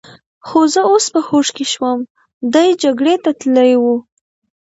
خو زه اوس په هوښ کې شوم، دی جګړې ته تلی و.